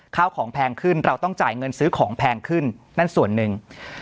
ข้าวของแพงขึ้นเราต้องจ่ายเงินซื้อของแพงขึ้นนั่นส่วนหนึ่ง